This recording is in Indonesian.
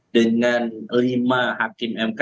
dengan lima hakim mk